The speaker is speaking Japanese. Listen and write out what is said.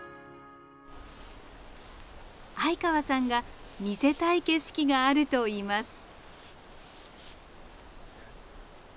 相川さんが見せたい景色があるといいます。